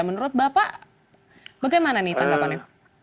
menurut bapak bagaimana nih tanggapannya